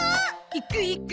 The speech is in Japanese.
行く行く！